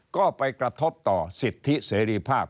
ก็ไปกระทบต่อสิทธิเสรีภาพ